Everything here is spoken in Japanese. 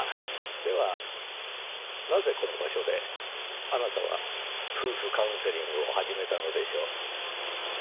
ではなぜこの場所であなたは夫婦カウンセリングを始めたのでしょう？